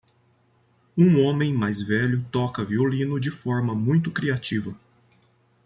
Um homem mais velho toca violino de forma muito criativa.